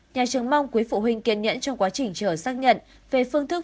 nhà trường mong quý phụ huynh kiên nhẫn trong quá trình trở xác nhận về phương thức